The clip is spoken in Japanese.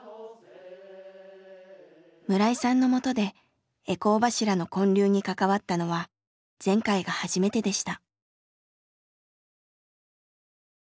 村井さんのもとで回向柱の建立に関わったのは前回が初めてでした。